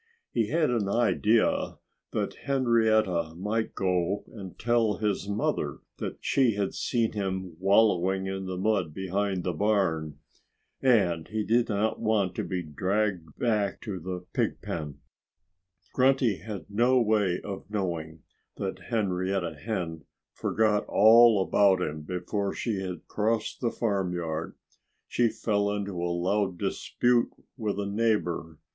He had an idea that Henrietta might go and tell his mother that she had seen him wallowing in the mud behind the barn. And he did not want to be dragged back to the pigpen. Grunty had no way of knowing that Henrietta Hen forgot all about him before she had crossed the farmyard. She fell into a loud dispute with a neighbor.